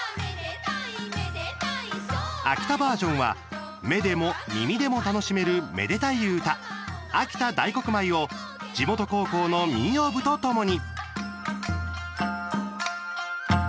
秋田バージョンは目でも耳でも楽しめるめでたい唄「秋田大黒舞」を地元高校の民謡部とともに。